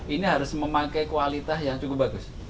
ini harus memakai kualitas yang cukup bagus